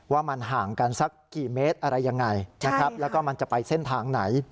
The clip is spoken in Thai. ว่ามันห่างกันสักกี่เมตรอะไรยังไงนะครับแล้วก็มันจะไปเส้นทางไหน